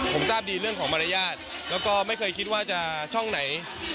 ผมทราบดีเรื่องของมารยาทแล้วก็ไม่เคยคิดว่าจะช่องไหน